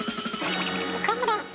岡村。